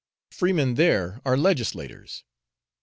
Freemen there are legislators.